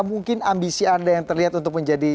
mungkin ambisi anda yang terlihat untuk menjadi